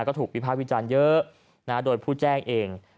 ก็ถูกวิภาควิจารณ์เยอะโดยผู้แจ้งเอง